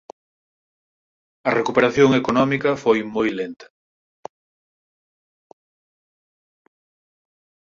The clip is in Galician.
A recuperación económica foi moi lenta.